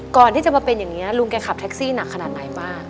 ก่อนที่จะมาเป็นอย่างนี้ลุงแกขับแท็กซี่หนักขนาดไหนป้า